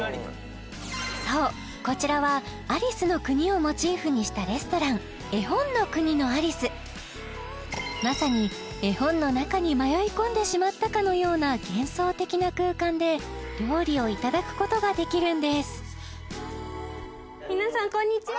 そうこちらはアリスの国をモチーフにしたレストランまさに絵本の中に迷い込んでしまったかのような幻想的な空間で料理をいただくことができるんです皆さんこんにちは！